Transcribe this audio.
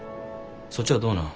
そっちはどうなん？